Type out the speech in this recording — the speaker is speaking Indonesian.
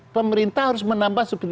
pemerintah harus menambah subsidi